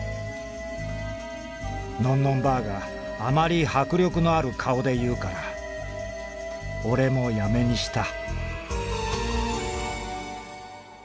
「のんのんばあがあまり迫力のある顔でいうからオレもやめにした」。